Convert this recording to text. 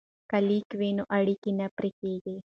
که لیک وي نو اړیکه نه پرې کیږي.